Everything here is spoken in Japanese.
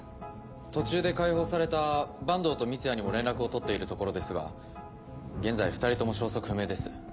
途中で解放された板東と三ツ矢にも連絡を取っているところですが現在２人とも消息不明です。